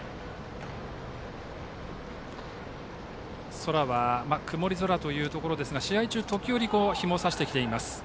空は曇り空というところですが試合中、時折日も差してきています。